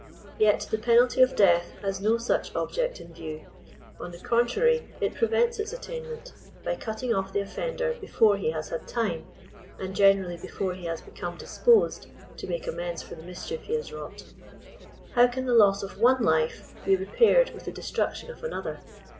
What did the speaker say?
Yet the pen alty of death has no such object in view. On the contrary it 27 prevents its attainment, by catting off the offender before he has had time — and generally before he has become disposed, to make amends for the mischief he has wrought. How can the loss of one life be repaired by the destraction of another?